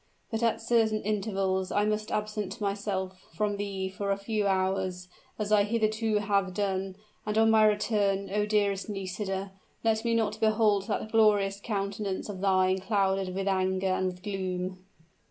But at certain intervals I must absent myself from thee for a few hours, as I hitherto have done; and on my return, O dearest Nisida! let me not behold that glorious countenance of thine clouded with anger and with gloom!"